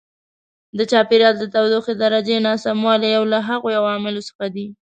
د چاپېریال د تودوخې درجې ناسموالی یو له هغو عواملو څخه دی.